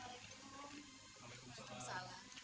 akang akan menerima uang sebesar itu